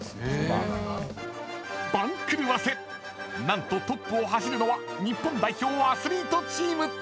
［何とトップを走るのは日本代表アスリートチーム］